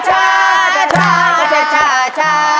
เอชาเอชาชชชชช